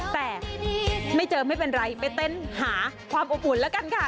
แต่ไม่เจอไม่เป็นไรไปเต้นหาความอบอุ่นแล้วกันค่ะ